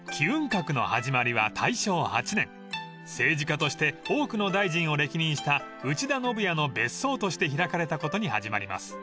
［政治家として多くの大臣を歴任した内田信也の別荘として開かれたことに始まります］